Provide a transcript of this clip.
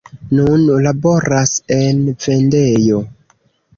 Nun laboras en vendejo.